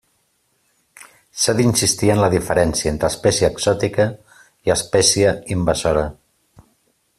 S'ha d'insistir en la diferència entre espècie exòtica i espècie invasora.